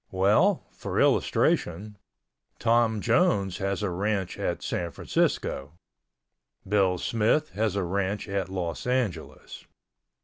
Well, for illustration, Tom Jones has a ranch at San Francisco—Bill Smith has a ranch at Los Angeles.